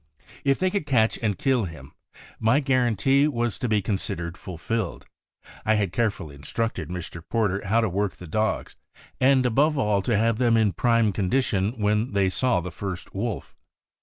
If they could catch and kill him, my guarantee was to be considered fulfilled, I had carefully instructed Mr. Porter how to work the dogs, and above all to have them in prime condition when they saw the first wolf.